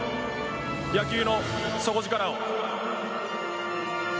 野球の底力を。